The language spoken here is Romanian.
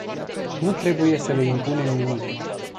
Nu trebuie să le impunem nimic.